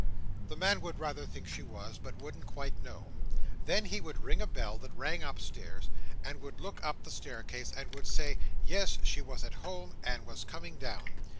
The man would rather think she was, but wouldn't quite know. Then he would ring a bell that rang upstairs, and would look up the staircase, and would say, yes, she was at home, and was coming down.